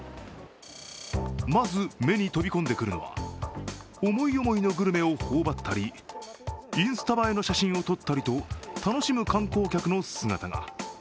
まず、目に飛び込んでくるのは思い思いのグルメを頬張ったりインスタ映えの写真を撮ったりと楽しむ観光客の姿が。